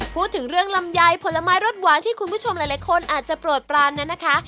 พูดถึงเรื่องลำไยผลไม้รสหวานที่คุณผู้ชมหลายคนอาจจะโปรดปรานนั้นนะคะ